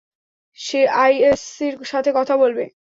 সে আইএসসির সাথে কথা বলবে।